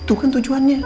itu kan tujuannya